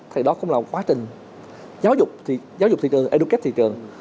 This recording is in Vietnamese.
thì đó cũng là một quá trình giáo dục thị trường educate thị trường